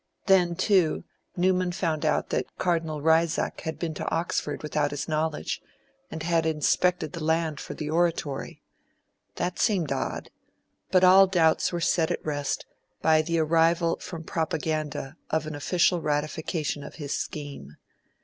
Then, too, Newman found out that Cardinal Reisach had been to Oxford without his knowledge, and had inspected the land for the Oratory. That seemed odd; but all doubts were set at rest by the arrival from Propaganda of an official ratification of his scheme.